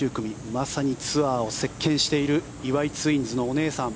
まさにツアーを席巻している岩井ツインズのお姉さん。